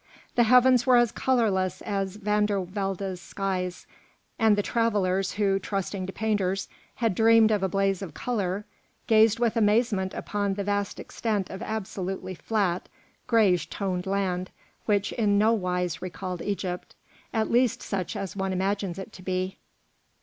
The heavens were as colourless as Van der Velde's skies, and the travellers, who, trusting to painters, had dreamed of a blaze of colour, gazed with amazement upon the vast extent of absolutely flat, grayish toned land, which in no wise recalled Egypt, at least such as one imagines it to be.